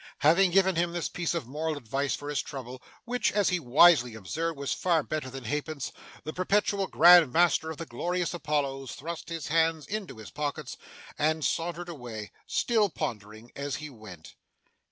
Having given him this piece of moral advice for his trouble (which, as he wisely observed, was far better than half pence) the Perpetual Grand Master of the Glorious Apollos thrust his hands into his pockets and sauntered away: still pondering as he went.